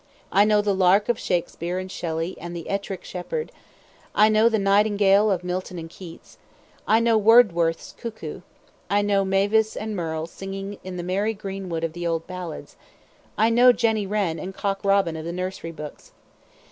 I know the lark of Shakespeare and Shelley and the Ettrick Shepherd; I know the nightingale of Milton and Keats; I know Wordsworth's cuckoo; I know mavis and merle singing in the merry green wood of the old ballads; I know Jenny Wren and Cock Robin of the nursery books.